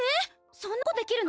そんなことできるの！？